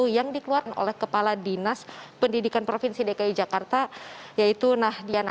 yang dikeluarkan oleh kepala dinas pendidikan provinsi dki jakarta yaitu nahdiana